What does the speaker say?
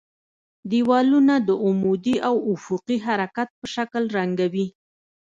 دېوالونه د عمودي او افقي حرکت په شکل رنګوي.